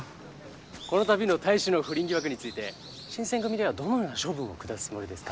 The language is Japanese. この度の隊士の不倫疑惑について新選組ではどのような処分を下すつもりですか？